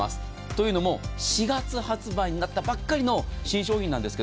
というのも４月発売になったばかりの新商品なんです。